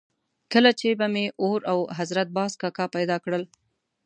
کله چې به مې اور او حضرت باز کاکا پیدا کړل.